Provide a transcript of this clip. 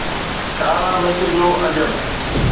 ڪارا مرچ جو عجب